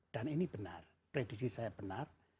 dan ini benar predisi saya benar